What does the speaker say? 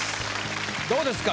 どうですか？